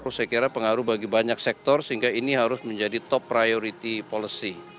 saya kira pengaruh bagi banyak sektor sehingga ini harus menjadi top priority policy